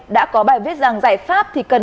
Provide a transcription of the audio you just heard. đã có bài viết rằng giải pháp